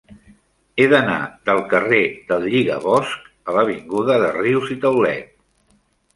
He d'anar del carrer del Lligabosc a l'avinguda de Rius i Taulet.